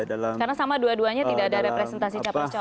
karena sama dua duanya tidak ada representasi capres cawapres nih